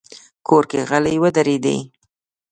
کور کې غلې ودرېدې.